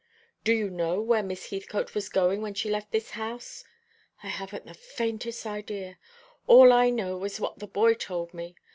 "Do you know where Miss Heathcote was going when she left this house?" "I haven't the faintest idea. All I know is what the boy told me.